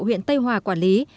huyện tây hòa quản lý